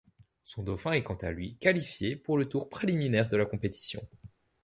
Son dauphin est quant à lui qualifié pour le tour préliminaire de la compétition.